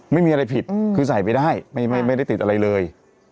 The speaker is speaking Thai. ไม่มีอะไรผิดคือใส่ไปได้ไม่ได้ติดอะไรเลย